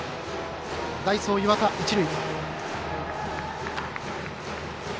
代走、岩田、一塁。